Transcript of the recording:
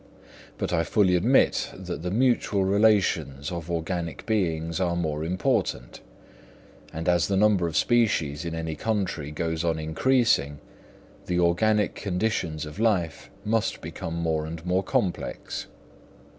but I fully admit that the mutual relations of organic beings are more important; and as the number of species in any country goes on increasing, the organic conditions of life must become more and more complex.